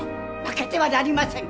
負けてはなりません！